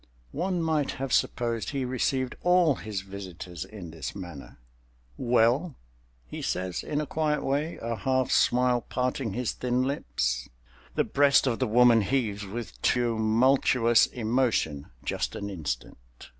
One might have supposed he received all his visitors in this manner. "Well?" he says in a quiet way, a half smile parting his thin lips. The breast of the woman heaves with tumultuous emotion—just an instant.